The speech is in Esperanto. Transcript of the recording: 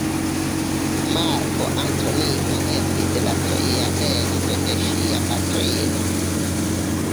Marko Antonio estis la tria edzo de ŝia patrino.